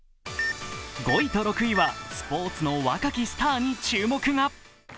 ５位と６位はスポーツの若きスターに注目が。